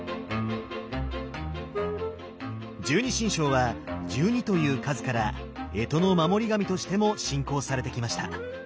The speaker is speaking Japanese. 十二神将は「十二」という数から干支の守り神としても信仰されてきました。